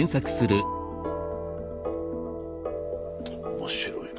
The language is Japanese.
面白いな。